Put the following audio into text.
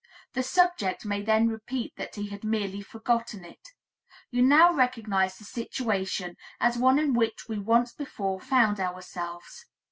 The subject may then repeat that he had merely forgotten it. You now recognize the situation as one in which we once before found ourselves.